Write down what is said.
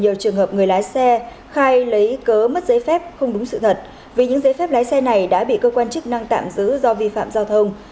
nhiều trường hợp người lái xe khai lấy cớ mất giấy phép không đúng sự thật vì những giấy phép lái xe này đã bị cơ quan chức năng tạm giữ do vi phạm giao thông